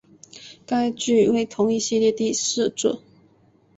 该剧为同一系列第四作。